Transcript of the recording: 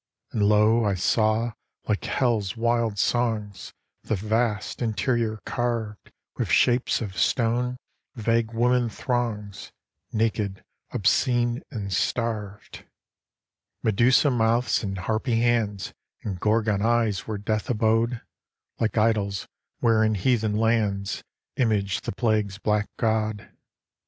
And, lo! I saw, like Hell's wild songs, The vast interior carved With shapes of stone, vague woman throngs, Naked, obscene, and starved. V Medusa mouths and harpy hands, And Gorgon eyes where death abode; Like idols, wherein heathen lands Image the Plague's black god.